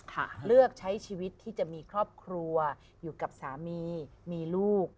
เลือกใช้ชีวิตที่จะมีครอบครัวอยู่กับสามีมีลูก